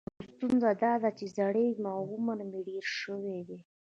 خو ستونزه دا ده چې زړیږم او عمر مې ډېر شوی دی.